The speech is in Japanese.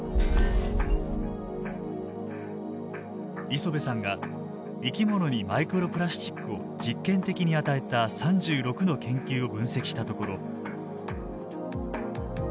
磯辺さんが生き物にマイクロプラスチックを実験的に与えた３６の研究を分析したところ。